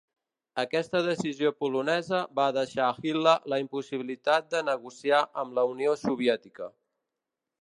Aquesta decisió polonesa va deixar a Hitler la possibilitat de negociar amb la Unió Soviètica.